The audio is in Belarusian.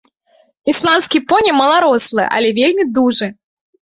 Ісландскі поні маларослы, але вельмі дужы.